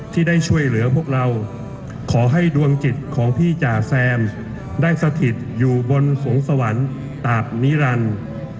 ที่ได้ช่วยเหลือพวกเราขอให้ดวงจิตของพี่จ่าแซมได้สถิตอยู่บนสวงสวรรค์ตาบนิรันดิ์